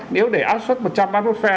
nếu để áp suất một trăm ba mươi phe